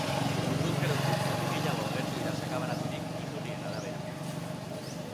Orduz geroztik, zati gehiago agertu dira sakabanaturik, iturrien arabera.